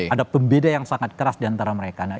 ada pembeda yang sangat keras diantara mereka